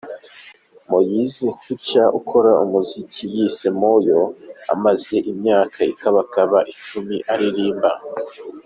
Maurice Kirya ukora umuziki yise “Mwooyo”, amaze imyaka ikabakaba icumi aririmba.